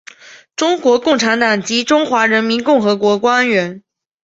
中国共产党及中华人民共和国官员。